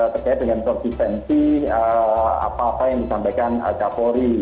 terkait dengan konsistensi apa apa yang disampaikan kapolri